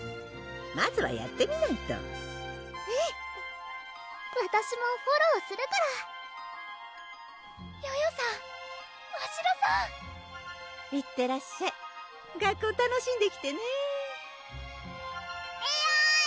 まずはやってみないとうんわたしもフォローするからヨヨさんましろさんいってらっしゃい学校楽しんできてねえるぅ！